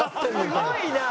すごいな。